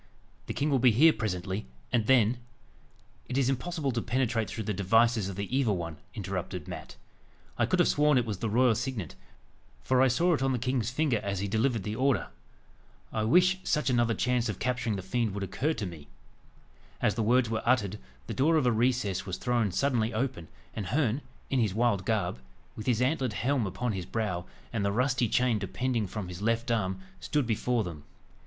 The king will be here presently, and then " "It is impossible to penetrate through the devices of the evil one," interrupted Mat. "I could have sworn it was the royal signet, for I saw it on the king's finger as he delivered the order. I wish such another chance of capturing the fiend would occur to me." As the words were uttered, the door of a recess was thrown suddenly open, and Herne, in his wild garb, with his antlered helm upon his brow, and the rusty chain depending from his left arm, stood before them.